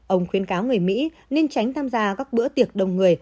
ông khuyến cáo người mỹ nên tránh tham gia các bữa tiệc đông người